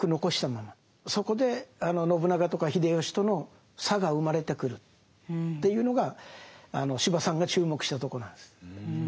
そこであの信長とか秀吉との差が生まれてくるっていうのが司馬さんが注目したとこなんです。